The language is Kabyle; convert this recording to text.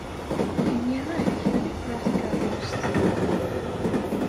Nniɣ-ak err-it ɣer tkeṛṛust.